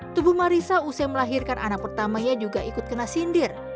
tubuh marissa usai melahirkan anak pertamanya juga ikut kena sindir